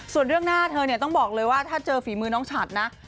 ส่วนเรื่องหน้าเธอเนี่ยต้องบอกเลยว่าถ้าเจอฝีมือน้องฉัดนะ